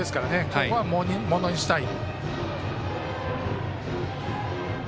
ここは、ものにしたい。